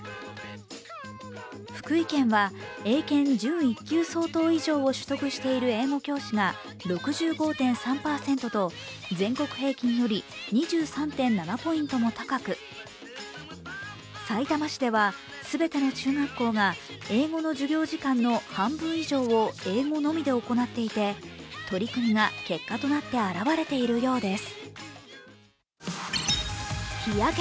福井県は英検準１級相当以上を取得している英語教師が、６５．３％と、全国平均より２３．７ポイントも高く、さいたま市では全ての中学校が英語の授業時間の半分以上を英語のみで行っていて、取り組みが結果となって表れているようです。